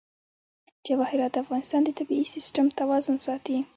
جواهرات د افغانستان د طبعي سیسټم توازن ساتي.